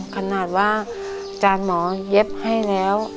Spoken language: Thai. ขนาดว่าอาจารย์หมอเย็บให้แล้ว